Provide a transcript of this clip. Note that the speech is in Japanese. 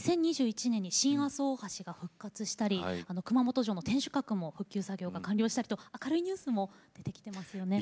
２０２１年に新阿蘇大橋が復活したり熊本城の天守閣も復旧作業が完了したりと明るいニュースも出てきてますよね。